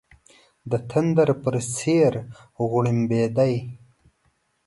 د تندر په څېر غړمبېدی.